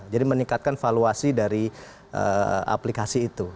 jadi meningkatkan valuasi dari aplikasi itu